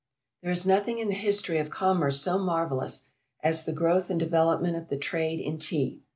There is nothing in the history of commerce so marvellous as the growth and development of the trade in Tea.